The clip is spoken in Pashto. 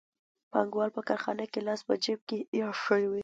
پانګوال په کارخانه کې لاس په جېب کې ایښی وي